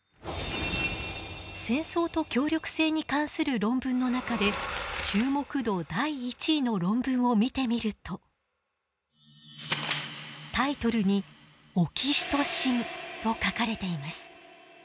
戦争と協力性に関する論文の中で注目度第１位の論文を見てみるとタイトルに「オキシトシン」と書かれています。